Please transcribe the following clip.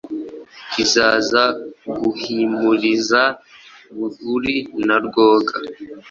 Izaza guhimuriza Buguri na Rwoga